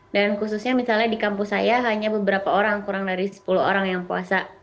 dan khususnya misalnya di kampus saya hanya beberapa orang kurang dari sepuluh orang yang puasa